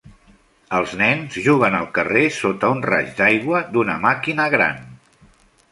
Els nens juguen al carrer sota un raig d'aigua d'una màquina gran.